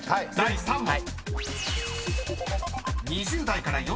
［第３問］